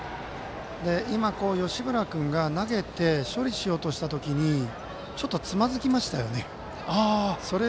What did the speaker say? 今、吉村君が投げて処理しようとした時にちょっとつまずきましたよね。